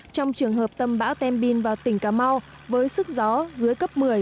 trong trường hợp tâm bão tembin vào tỉnh cà mau với sức gió dưới cấp một mươi